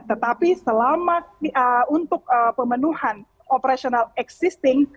tetapi selama untuk pemenuhan operational existing